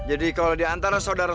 aku akan mulai